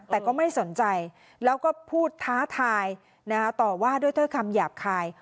แต่ก็ไม่สนใจแล้วก็พูดท้าทายต่อว่าด้วยคำหยาบคาย